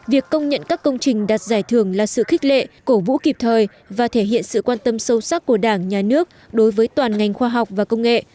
việc công nhận các công trình đạt giải thưởng là sự khích lệ cổ vũ kịp thời và thể hiện sự quan tâm sâu sắc của đảng nhà nước đối với toàn ngành khoa học và công nghệ